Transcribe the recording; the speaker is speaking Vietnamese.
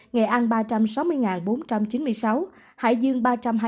nghệ an ba trăm sáu mươi bốn trăm chín mươi sáu hải dương ba trăm hai mươi